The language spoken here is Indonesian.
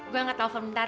gue nggak telfon bentar